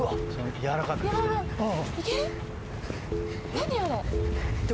何あれ。